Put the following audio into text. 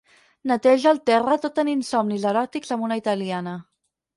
Neteja el terra tot tenint somnis eròtics amb una italiana.